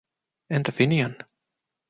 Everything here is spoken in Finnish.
Entä Finian?